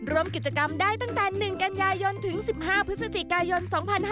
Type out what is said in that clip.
รวมกิจกรรมได้ตั้งแต่๑กันยายนถึง๑๕พฤศจิกายน๒๕๕๙